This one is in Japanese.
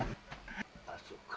あっそっか